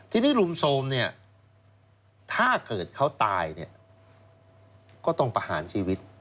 ทีนี้รุมโทรมเนี่ยถ้าเกิดเขาตายเนี่ยก็ต้องประหารชีวิต